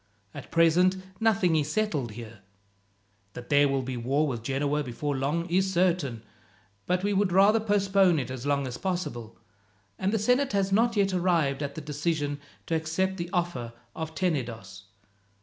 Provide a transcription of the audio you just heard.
At present nothing is settled here. That there will be war with Genoa before long is certain, but we would rather postpone it as long as possible, and the senate has not yet arrived at the decision to accept the offer of Tenedos.